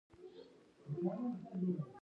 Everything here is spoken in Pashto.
د ناظم د کوټې له درګاه سره پيره دار ناست وي.